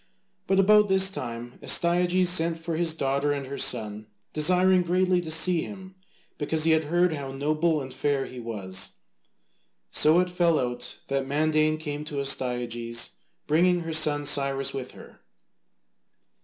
But about this time, Astyages sent for his daughter and her son, desiring greatly to see him because he had heard how noble and fair he was. So it fell out that Mandane came to Astyages, bringing her son Cyrus with her.